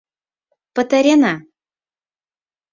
Пытарена!